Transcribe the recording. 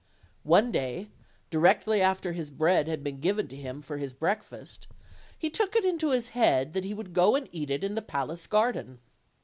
One day, directly after his bread had been given to him for his breakfast, he took it into his head that he would go and eat it in the palace garden.